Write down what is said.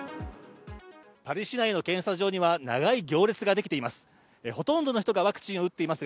パリ市内の検査場には長い行列ができています。